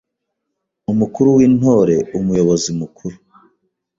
Umukuru w’Intore: Umuyobozi Mukuru